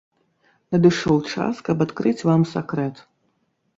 Надышоў час, каб адкрыць вам сакрэт.